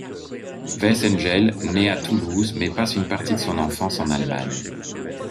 Weissengel nait à Toulouse mais passe une partie de son enfance en Allemagne.